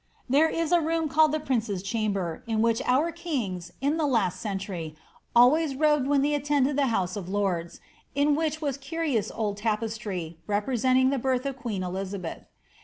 There is a room called the Princess Chamber, in which our kings, in he last century, always robed when they attended the House of I^rds, n which was curious old tapestry, representing the birth of queen Eliza oeth.'